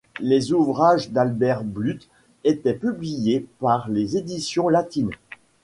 Les ouvrages d'Albert Blute étaient publiés par les éditions Latines.